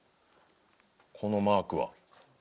このマークは。